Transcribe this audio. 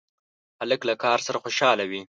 هلک له کار سره خوشحاله وي.